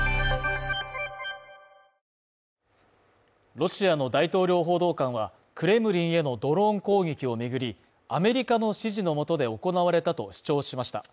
ロシアの大統領報道官はクレムリンへのドローン攻撃を巡り、アメリカの指示のもとで行われたと主張しました。